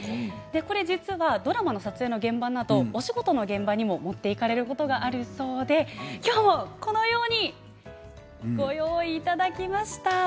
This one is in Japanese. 実はドラマの撮影の現場などお仕事の現場にも持っていかれることがあるそうできょうもこのようにご用意いただきました。